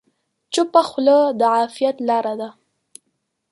چپه خوله، د عافیت لاره ده.